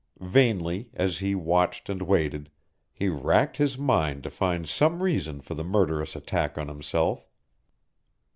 Vainly, as he watched and waited, he racked his mind to find some reason for the murderous attack on himself.